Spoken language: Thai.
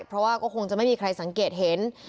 เพราะว่าก็คงจะไม่มีใครสังเกตเห็น